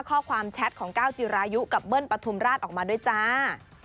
แชทของก้าวจิรายุกับเบิ้ลปฐุมราชออกมาด้วยจ้า